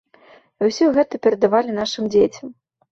І ўсё гэта перадавалі нашым дзецям.